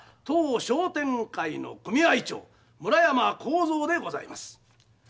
当商店会の組合長村山浩三でございます。